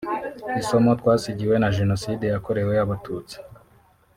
“Isomo twasigiwe na Jenoside yakoreweAbatutsi